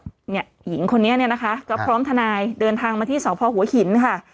หญิงคนนี้เนี่ยนะคะก็พร้อมทนายเดินทางมาที่สพหัวหินค่ะ